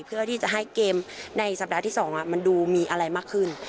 เพื่อที่จะให้เกมในสัปดาห์ที่๒มันดูมีอะไรมากขึ้น